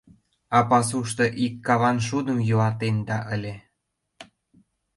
А пасушто ик каван шудым йӱлатенда ыле...